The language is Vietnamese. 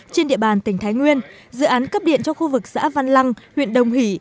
trên địa bàn tỉnh thái nguyên dự án cấp điện cho khu vực xã văn lăng huyện đồng hỷ